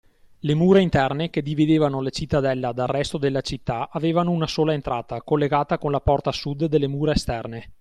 Le mura interne, che dividevano la cittadella dal resto della città, avevano una sola entrata, collegata con la porta Sud delle mura esterne.